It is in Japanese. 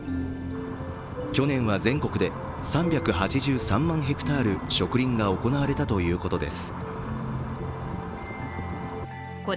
去年は全国で３８３万ヘクタール、植林が行われたということです。